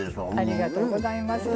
ありがとうございます。